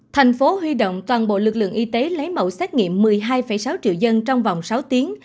thành phố huy động toàn bộ lực lượng y tế lấy mẫu xét nghiệm một mươi hai sáu triệu dân trong vòng sáu tiếng